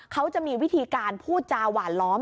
เขาจะมีวิธีการพูดจาหวานล้อม